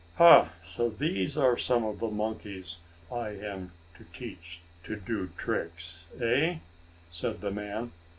"Ha! So these are some of the monkeys I am to teach to do tricks, eh?" said the man.